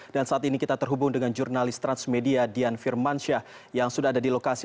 dan saat ini kita terhubung dengan jurnalis transmedia dian firmansyah yang sudah ada di lokasi